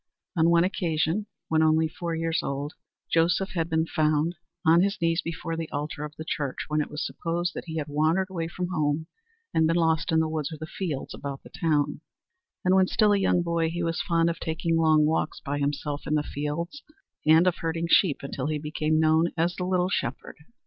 On one occasion, when only four years old, Joseph had been found on his knees before the altar of the church when it was supposed that he had wandered away from home and been lost in the woods or the fields about the town, and when still a young boy he was fond of taking long walks by himself in the fields and of herding sheep until he became known as "the little shepherd."